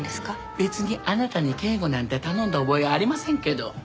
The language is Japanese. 別にあなたに警護なんて頼んだ覚えありませんけど。